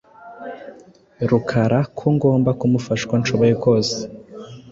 Rukara ko ngomba kumufasha uko nshoboye kose.